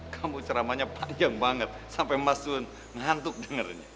kamu ceramahnya panjang banget sampai mas tuh ngantuk dengernya